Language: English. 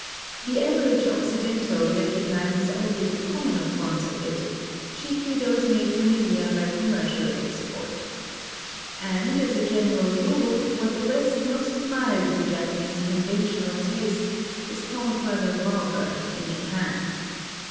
The average Occidental recognizes only the commoner forms of it, — chiefly those made familiar by commercial export. And, as a general rule, what the West most admires in Japanese conventional taste is thought rather vulgar in Japan.